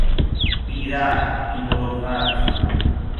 بیرحم، بیمروت